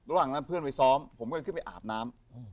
ระหว่างนั้นเพื่อนไปซ้อมผมก็ขึ้นไปอาบน้ำ